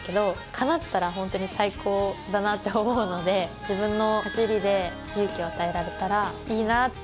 叶ったら本当に最高だなって思うので自分の走りで勇気を与えられたらいいな。